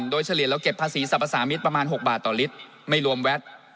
โดยเฉลี่ยเราเก็บภาษีสรรพสามิตรประมาณ๖บาทต่อลิตรไม่รวมแวด